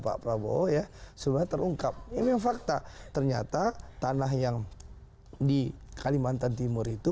pak prabowo ya semuanya terungkap ini memang fakta ternyata tanah yang di kalimantan timur itu